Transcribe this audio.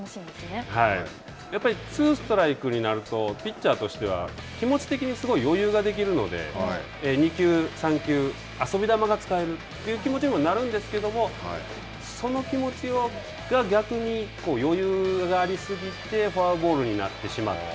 やっぱりツーストライクになるとピッチャーとしては気持ち的にすごい余裕ができるので、２球、３球、遊び球が使えるという気持ちにもなるんですけども、その気持ちで逆に余裕があり過ぎてフォアボールになってしまった。